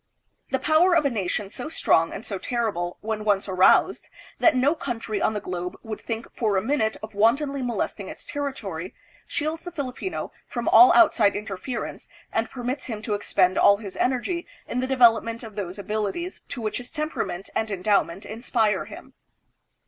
The power of a nation so strong and so terrible, when once aroused, that no country on the globe would think for a minute of wantonly molesting its territory, shields the Filipino from all outside interference and per mits him to expend all his energy in the development of those abilities to which his temperament and endowment inspire him.